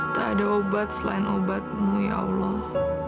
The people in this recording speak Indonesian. tak ada obat selain obatmu ya allah